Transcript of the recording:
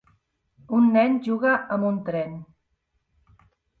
un nen juga amb un tren.